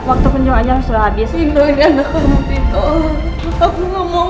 aku tak mau dikeringin lagi